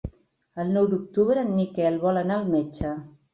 El nou d'octubre en Miquel vol anar al metge.